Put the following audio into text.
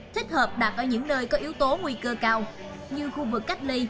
thích hợp đạt ở những nơi có yếu tố nguy cơ cao như khu vực cách ly